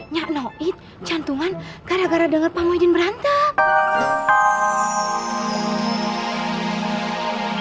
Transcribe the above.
nya noit cantungan gara gara denger pak muhyiddin berantem